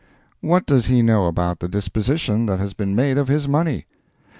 What does he know about the disposition that has been made of his money?